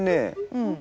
うん。